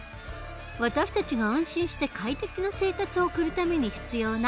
私たちが安心して快適な生活を送るために必要な公共サービス。